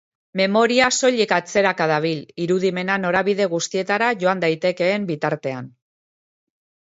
Memoria soilik atzeraka dabil, irudimena norabide guztietara joan daitekeen bitartean.